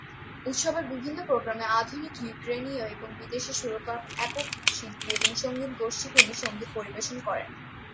উৎসবের বিভিন্ন প্রোগ্রামে আধুনিক ইউক্রেনীয় এবং বিদেশী সুরকার, একক শিল্পী এবং সংগীত গোষ্ঠীগুলি সংগীত পরিবেশন করে।